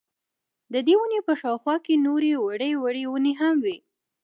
ددې وني په شاوخوا کي نوري وړې وړې وني هم وې